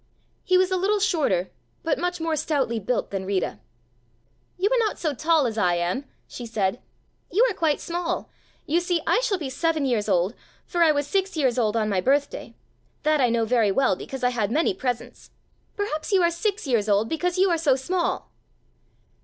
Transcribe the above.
He was a little shorter, but much more stoutly built than Rita. "You are not so tall as I am," she said. "You are quite small. You see I shall be seven years old, for I was six years old on my birthday; that I know very well, because I had many presents. Perhaps you are six years old, because you are so small."